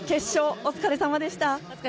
お疲れさまでした。